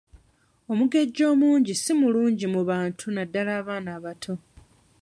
Omugejjo omungi si mulungi mu bantu naddala abaana abato.